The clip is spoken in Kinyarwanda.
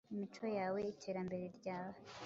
Imico yawe, iterambere ryawe,